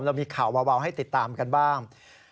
เรามีข่าวเบาให้ติดตามกันบ้าง